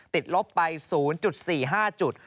ติดลบไป๐๔๕จุด